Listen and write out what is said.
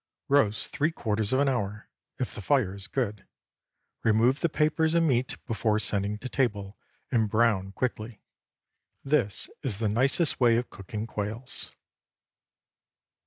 Roast three quarters of an hour, if the fire is good. Remove the papers and meat before sending to table, and brown quickly. This is the nicest way of cooking quails.